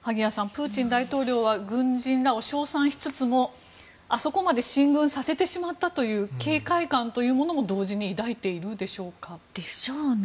プーチン大統領は、軍人らを賞賛しつつも、あそこまで進軍させてしまったという警戒感というものも同時に抱いているでしょうか。でしょうね。